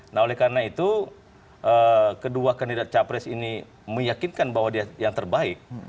nah oleh karena itu kedua kandidat capres ini meyakinkan bahwa dia yang terbaik